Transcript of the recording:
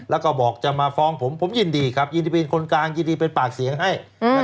แล้วก็บอกจะมาฟ้องผมผมยินดีครับยินดีเป็นคนกลางยินดีเป็นปากเสียงให้